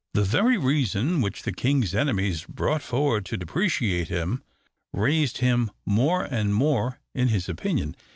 The very reason which the king's enemies brought forward to depreciate him, raised him more and more in his opinion.